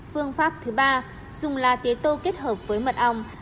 phương pháp thứ ba dùng là tế tô kết hợp với mật ong